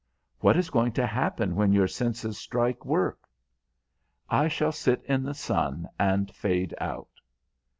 "What is going to happen when your senses strike work?" "I shall sit in the sun and fade out."